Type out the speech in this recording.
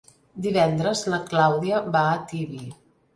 Divendres na Clàudia va a Tibi.